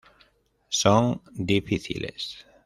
Son difíciles.